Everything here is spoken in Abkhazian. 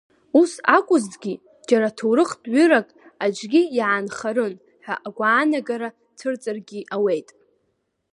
Ус акәызҭгьы, џьара ҭоурыхтә ҩырак аҿгьы иаанхарын ҳәа агәаанагара цәырҵыргьы ауеит.